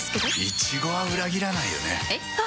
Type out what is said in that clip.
イチゴは裏切らないよね。